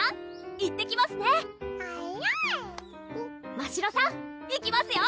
ましろさん行きますよ！